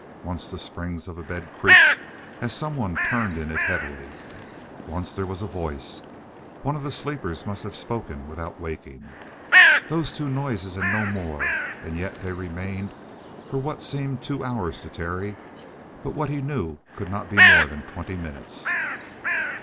Once the springs of a bed creaked as someone turned in it heavily. Once there was a voice one of the sleepers must have spoken without waking. Those two noises, and no more, and yet they remained for what seemed two hours to Terry, but what he knew could not be more than twenty minutes.